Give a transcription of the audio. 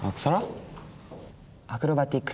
アクロバティック